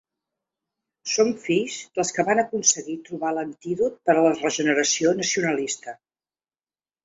Som fills dels que van aconseguir trobar l’antídot per a la regeneració nacionalista.